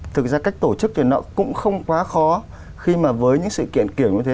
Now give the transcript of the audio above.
thực ra cách tổ chức thì nó cũng không quá khó khi mà với những sự kiện kiểu như thế